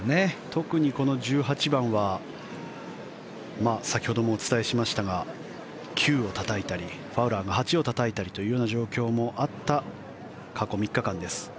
特にこの１８番は先ほどもお伝えしましたが９をたたいたり、ファウラーが８をたたいたという状況もあった過去３日間です。